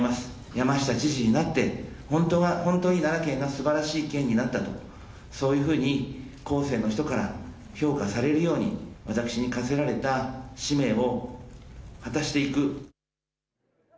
山下知事になって、本当に奈良県がすばらしい県になった、そういうふうに後世の人から評価されるように、私に課せられた使命を果たしていく。